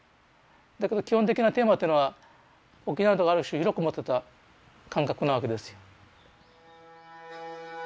だけど基本的なテーマっていうのは沖縄の人がある種広く持ってた感覚なわけですよ。